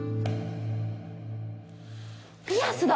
ピアスだ！